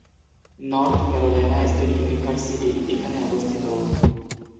North Carolina State University এখানে অবস্থিত।